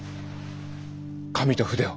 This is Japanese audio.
紙と筆を！